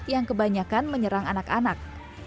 yang kebanyakan menyerang anak anak